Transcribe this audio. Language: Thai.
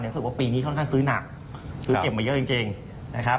รู้สึกว่าปีนี้ค่อนข้างซื้อหนักซื้อเก็บมาเยอะจริงนะครับ